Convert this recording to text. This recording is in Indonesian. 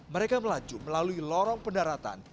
mereka melaju melalui lorong pendaratan